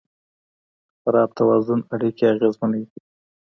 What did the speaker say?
خراب توازن اړیکې اغېزمنوي.